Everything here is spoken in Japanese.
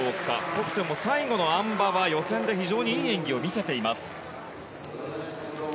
コフトゥンも最後のあん馬は予選で非常にいい演技を見せています。